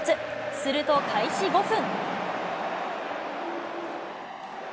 すると開始５分。